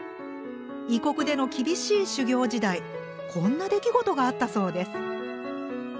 異国での厳しい修業時代こんな出来事があったそうです。